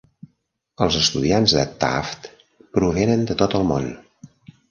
Els estudiants de Taft provenen de tot el món.